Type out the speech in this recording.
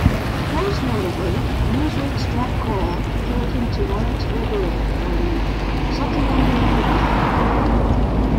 Most notably, "Newsweek"s Jack Kroll compared him to Laurence Olivier, writing, "Something unbelievable happened.